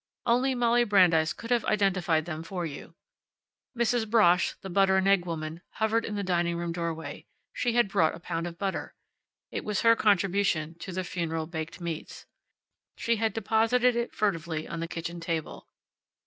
Only Molly Brandeis could have identified them for you. Mrs. Brosch, the butter and egg woman, hovered in the dining room doorway. She had brought a pound of butter. It was her contribution to the funeral baked meats. She had deposited it furtively on the kitchen table.